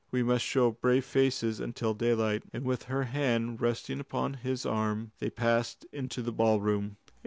We must show brave faces until daylight." And with her hand resting upon his arm, they passed into the ballroom.